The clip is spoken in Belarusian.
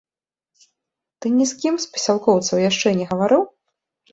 Ты ні з кім з пасялкоўцаў яшчэ не гаварыў?